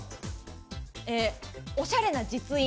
おしゃれな実印。